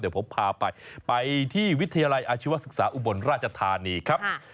เดี๋ยวผมพาไปไปที่วิทยาลัยอาชีวศึกษาอุบลราชธานีครับ